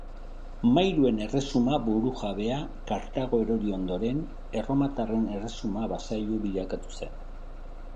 Mairuen erresuma burujabea, Kartago erori ondoren, erromatarren erresuma-basailu bilakatu zen.